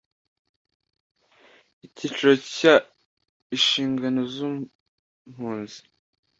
Icyiciro cya Inshingano z impunzi